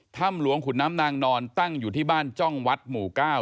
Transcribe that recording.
ถ้ำหลวงขุนน้ำนางนอนตั้งอยู่ที่บ้านจ้องวัดหมู่๙